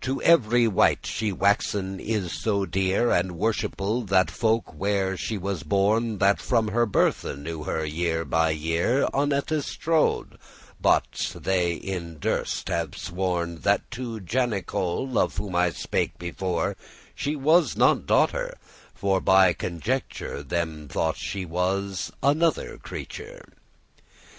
To every wight she waxen* is so dear *grown And worshipful, that folk where she was born, That from her birthe knew her year by year, *Unnethes trowed* they, but durst have sworn, *scarcely believed* That to Janicol' of whom I spake before, She was not daughter, for by conjecture Them thought she was another creature.